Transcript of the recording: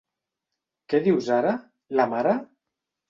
Què dius ara, la mare?